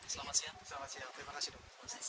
selamat siang selamat siang terima kasih dok